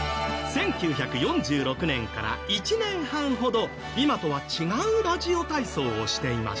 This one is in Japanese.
１９４６年から１年半ほど今とは違うラジオ体操をしていました。